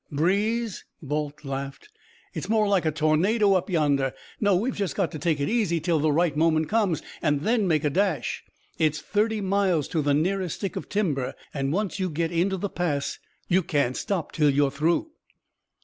"Breeze!" Balt laughed. "It's more like a tornado up yonder. No, we've just got to take it easy till the right moment comes, and then make a dash. It's thirty miles to the nearest stick of timber; and once you get into the Pass, you can't stop till you're through."